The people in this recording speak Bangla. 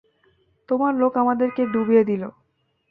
তোমার লোক আমাদেরকে ডুবিয়ে দিলো।